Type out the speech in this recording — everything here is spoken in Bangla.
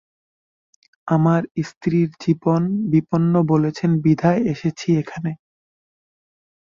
আমার স্ত্রীর জীবন বিপন্ন বলেছেন বিধায় এসেছি এখানে!